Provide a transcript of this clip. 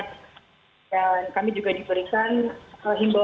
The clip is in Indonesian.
dan kami juga diberikan himbauan